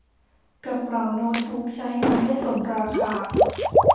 กระเป๋าโน๊ตบุ๊กใช้งานได้สมราคา